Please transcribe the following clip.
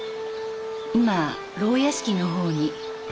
今牢屋敷の方に。